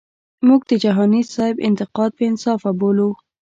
مونږ د جهانی سیب انتقاد بی انصافه بولو.